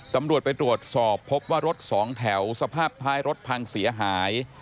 ตำรวจไปตรวจสอบพบว่ารถสองแถวสภาพท้ายรถพังเสียหาย